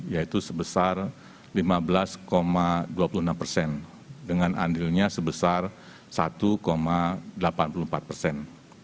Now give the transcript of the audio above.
yaitu sebesar lima belas dua puluh enam persen dengan andilnya sebesar satu delapan puluh empat persen